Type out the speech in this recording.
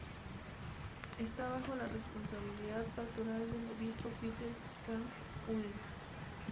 Esta bajo la responsabilidad pastoral del obispo Peter Kang U-il.